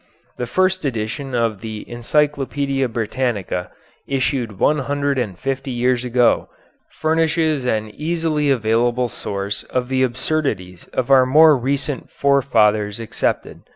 The first edition of the "Encyclopedia Britannica," issued one hundred and fifty years ago, furnishes an easily available source of the absurdities our more recent forefathers accepted.